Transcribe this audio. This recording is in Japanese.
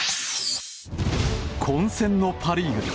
混戦のパ・リーグ。